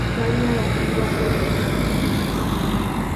Waliyo abakungu ba poliisi bangi mu Kampala.